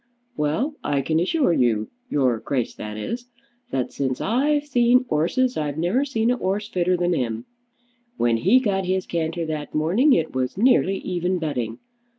Well; I can assure you, your Grace, that is, that since I've seen 'orses I've never seen a 'orse fitter than him. When he got his canter that morning, it was nearly even betting.